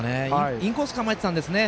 インコース構えてたんですね。